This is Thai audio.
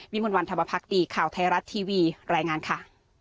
มนต์วันธรรมพักดีข่าวไทยรัฐทีวีรายงานค่ะ